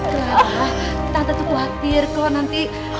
clara tante tuh khawatir kalo nanti